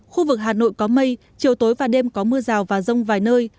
khu vực hà nội có mây chiều tối và đêm có mưa rào và rông vài nơi